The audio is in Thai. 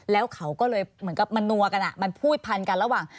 แล้วเขาก็เลยเหมือนกับมันนัวกันมันพูดพันกันระหว่าง